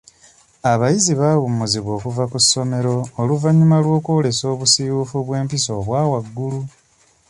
Abayizi baawummuzibwa okuva ku ssomero oluvannyuma lwokwolesa obusiiwuufu bw'empisa obwa waggulu.